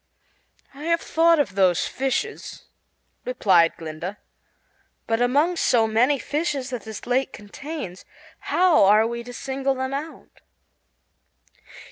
"I have thought of those fishes," replied Glinda, "but among so many fishes as this lake contains how are we to single them out?"